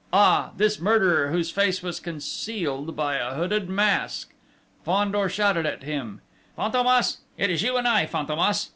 Ah, this murderer, whose face was concealed by a hooded mask! Fandor shouted at him. "Fantômas! It's you and I, Fantômas!"